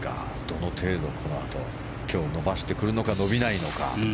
どの程度、このあと今日、伸ばしてくるのか伸びないのか。